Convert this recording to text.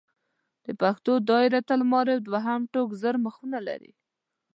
د پښتو دایرة المعارف دوهم ټوک زر مخونه لري.